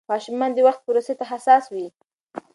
ماشومان د وخت پروسې ته حساس وي.